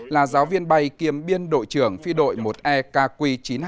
là giáo viên bay kiêm biên đội trưởng phi đội một e kq chín trăm hai mươi